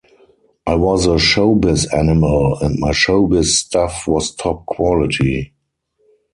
I was a showbiz animal, and my showbiz stuff was top quality.